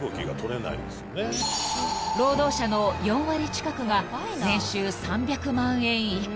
［労働者の４割近くが年収３００万円以下］